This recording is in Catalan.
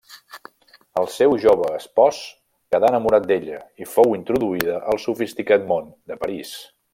El seu jove espòs quedà enamorat d'ella, i fou introduïda al sofisticat món de París.